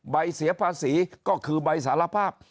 ใบเสียภาษีก็คือใบสารภาพ